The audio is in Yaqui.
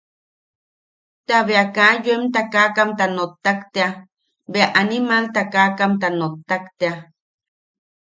Ta bea kaa yoem takakamta nottak tea, bea animal takakamta nottak tea.